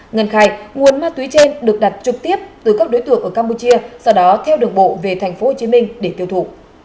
ngân khai nguồn ma túy trên được đặt trực tiếp từ các đối tượng ở campuchia sau đó theo đường bộ về tp hcm để tiêu thụ